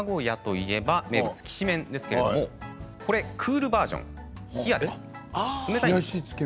名古屋といえば名物きしめんですけれどもクールバージョン、冷です。